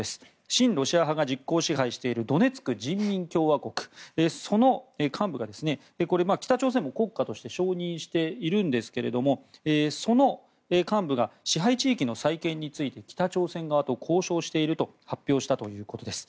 親ロシア派が実効支配しているドネツク人民共和国、その幹部がこれは北朝鮮も国家として承認しているんですがその幹部が支配地域の再建について北朝鮮側と交渉していると発表したということです。